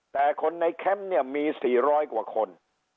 แต่คนในแคมป์เนี่ยมี๔๐๐กว่าคน